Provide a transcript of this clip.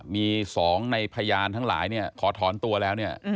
มี๒ในพยานทั้งหลายเนี่ยขอถอนตัวแล้วเนี่ย